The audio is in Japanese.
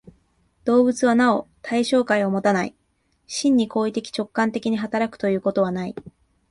動物はなお対象界をもたない、真に行為的直観的に働くということはない。